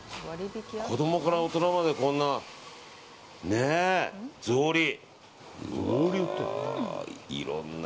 子供から大人までこんなね、草履。